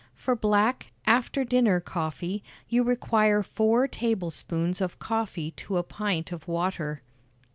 For black, after dinner coffee, you require four tablespoonfuls of coffee to a pint of water.